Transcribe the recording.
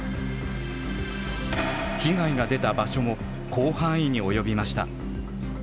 被害が出た場所も広範囲に及びました。